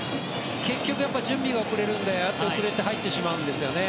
結局、準備が遅れるのでああやって遅れて入ってしまうんですよね